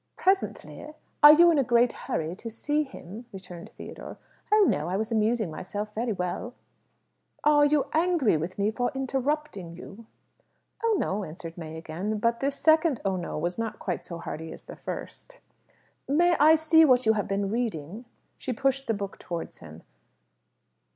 "Presently. Are you in a great hurry to see him?" returned Theodore. "Oh no; I was amusing myself very well." "Are you angry with me, for interrupting you?" "Oh no," answered May again. But this second "Oh no" was not quite so hearty as the first. "May I see what you have been reading?" She pushed the book towards him.